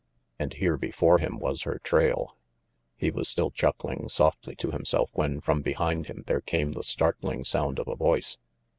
And here before him was her trail. He was still chuckling softly to himself when from behind him there came the startling sound of a voice.